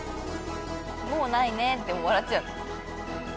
もうないねって笑っちゃう。